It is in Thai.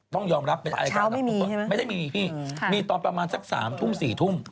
ต้องยอมรับเป็นอายการไม่ได้มีพี่มีตอนประมาณสัก๓ทุ่ม๔ทุ่ม